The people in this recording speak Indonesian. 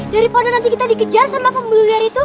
daripada nanti kita dikejar sama pembuluh jari itu